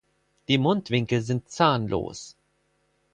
Die Mundwinkel sind zahnlos.